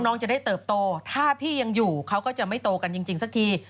น้องจะได้เติบโตถ้าพี่ยังอยู่เขาก็จะไม่โตกันจริงสักที